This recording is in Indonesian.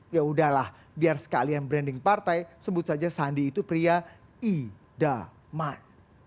yaudahlah biar sekalian branding partai sebut saja sandi itu pria idaman